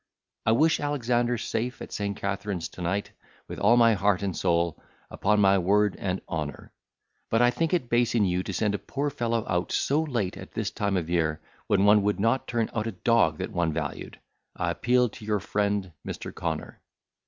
I wish Alexander safe at St. Catherine's to night, with all my heart and soul, upon my word and honour: But I think it base in you to send a poor fellow out so late at this time of year, when one would not turn out a dog that one valued; I appeal to your friend Mr. Connor.